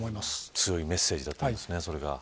強いメッセージだったんですねそれが。